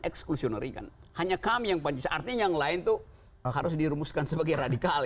eksklusi nerikan hanya kami yang panjang artinya yang lain tuh harus dirumuskan sebagai radikal